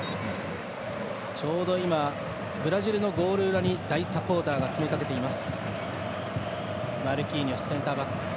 ちょうどブラジルのゴール裏に大サポーターが詰めかけています。